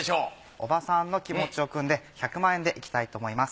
伯母さんの気持ちを汲んで１００万円でいきたいと思います。